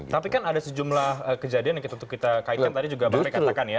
tapi kan ada sejumlah kejadian yang kita kaitkan tadi juga pak pak katakan ya